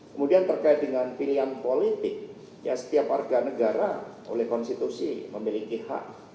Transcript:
kemudian terkait dengan pilihan politik ya setiap warga negara oleh konstitusi memiliki hak